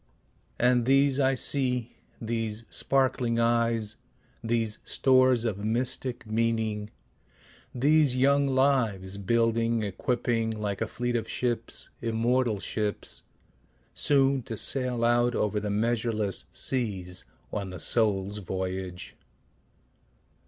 And these I see, these sparkling eyes, These stores of mystic meaning, these young lives, Building, equipping like a fleet of ships, immortal ships, Soon to sail out over the measureless seas, On the soul's voyage.